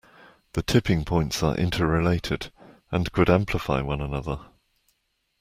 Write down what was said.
The tipping points are interrelated, and could amplify one another.